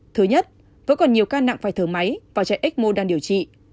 thứ nhất vẫn còn nhiều ca nặng phải thở máy và chạy ecmo đang điều trị